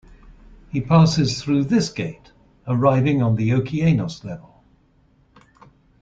He passes through this gate, arriving on the Okeanos level.